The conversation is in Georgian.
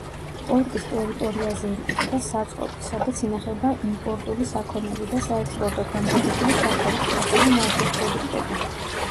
პორტის ტერიტორიაზე იმყოფება საწყობი, სადაც ინახება იმპორტული საქონელი და საექსპორტოდ გამზადებული საქონელი, ასევე ნავთობპროდუქტები.